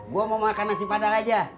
gue mau makan nasi padang aja